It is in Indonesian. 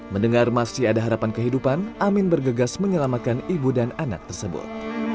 mendengar masih ada harapan kehidupan amin bergegas menyelamatkan ibu dan anak tersebut